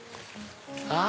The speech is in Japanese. あ。